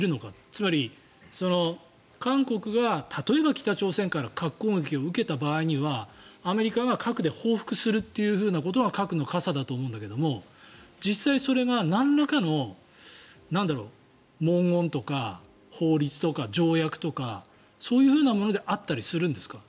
つまり、韓国が例えば北朝鮮からの核攻撃を受けた場合にはアメリカが核で報復するということが核の傘だと思うんだけども実際、それがなんらかの文言とか法律とか条約とかそういうものであったりするんですか？